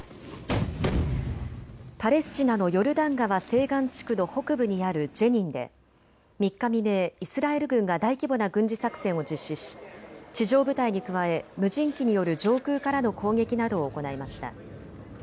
パレスチナのヨルダン川西岸地区の北部にあるジェニンで３日未明、イスラエル軍が大規模な軍事作戦を実施し地上部隊に加え無人機による上空からの攻撃などを行いました。